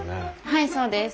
はいそうです。